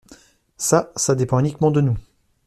Ça, ça dépend uniquement de nous.